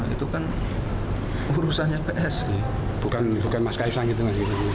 itu kan urusannya psi bukan mas kaisang gitu mas